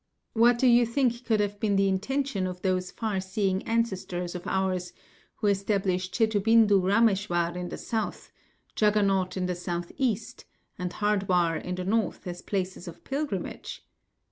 What do you think could have been the intention of those far seeing ancestors of ours who established Shethubindu Rameshwar in the South, Juggernaut in the South East and Hardwar in the North as places of pilgrimage?